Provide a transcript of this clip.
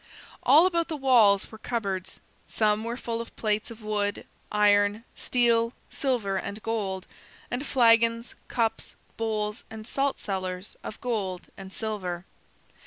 All about the walls were cupboards. Some were full of plates of wood, iron, steel, silver, and gold, and flagons, cups, bowls, and saltcellars of gold and silver.